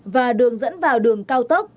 và đường dẫn vào đường cao tốc